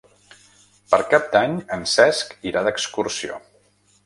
Per Cap d'Any en Cesc irà d'excursió.